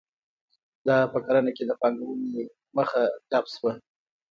دا په کرنه کې د پانګونې مخه ډپ شوه.